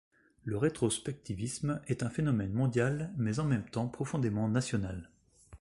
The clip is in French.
Le rétrospectivisme est un phénomène mondial, mais en même temps profondément national.